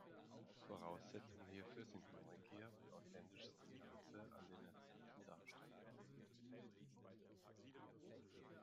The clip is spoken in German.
Voraussetzung hierfür sind Neugier und authentisches Interesse an den erzählten Darstellungen.